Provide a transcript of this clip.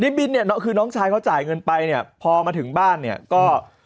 บินเนี่ยคือน้องชายเขาจ่ายเงินไปเนี่ยพอมาถึงบ้านเนี่ยก็